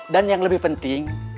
dan yang lebih penting